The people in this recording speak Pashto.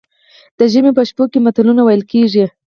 د ژمي په شپو کې متلونه ویل کیږي.